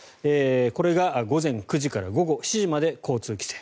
これが午前９時から午後７時まで交通規制。